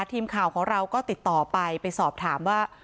ทีมข่าวของเราก็ติดต่อไปไปสอบถามว่า